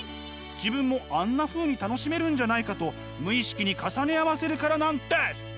自分もあんなふうに楽しめるんじゃないかと無意識に重ね合わせるからなんです！